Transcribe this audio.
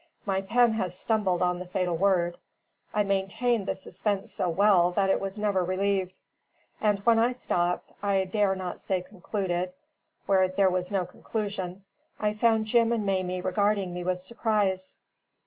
My pen has stumbled on the fatal word. I maintained the suspense so well that it was never relieved; and when I stopped I dare not say concluded, where there was no conclusion I found Jim and Mamie regarding me with surprise.